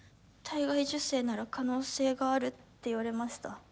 体外受精なら可能性があるって言われました。